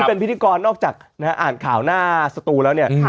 เป็นพิธีกรนอกจากอ่านข่าวหน้าสตูแล้วเนี่ย